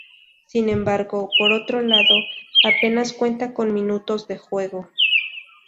Sin embargo, por otro lado, apenas cuenta con minutos de juego.